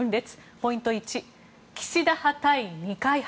ポイント１、岸田派対二階派。